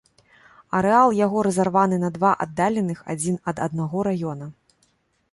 Арэал яго разарваны на два аддаленых адзін ад аднаго раёна.